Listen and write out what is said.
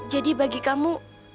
jadi bagi kamu